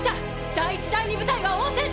第１第２部隊は応戦しろ！